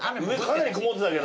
かなり曇ってたけど。